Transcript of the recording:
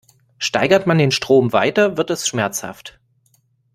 Steigert man den Strom weiter, wird es schmerzhaft.